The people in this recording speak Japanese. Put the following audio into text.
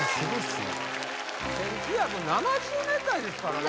１９７０年代ですからね・